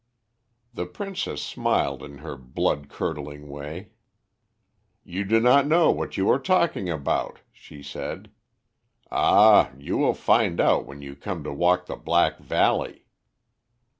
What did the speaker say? "The princess smiled in her blood curdling way. "'You do not know what you are talking about,' she said. 'Ah, you will find out when you come to walk the Black Valley!'